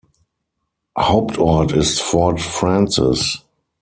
Hauptort ist Fort Frances.